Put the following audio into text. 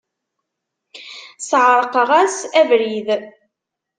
Sεerqeɣ-as abrid.